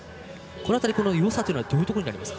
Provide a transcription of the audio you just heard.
この辺りよさはどういうところにありますか。